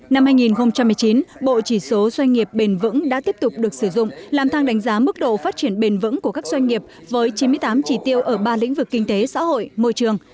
năm hai nghìn một mươi chín bộ chỉ số doanh nghiệp bền vững đã tiếp tục được sử dụng làm thang đánh giá mức độ phát triển bền vững của các doanh nghiệp với chín mươi tám chỉ tiêu ở ba lĩnh vực kinh tế xã hội môi trường